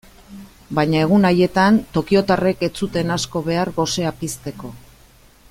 Baina egun haietan tokiotarrek ez zuten asko behar gosea pizteko.